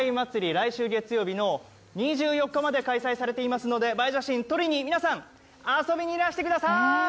来週月曜日の２４日まで開催されていますので映え写真撮りに皆さん、遊びにいらしてください！